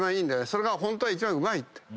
それがホントは一番うまい。